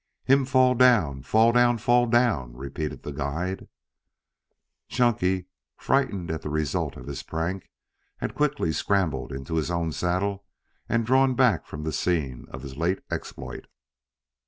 "Him fall down, fall down, fall down," repeated the guide. Chunky, frightened at the result of his prank, had quickly scrambled into his own saddle and drawn back from the scene of his late exploit.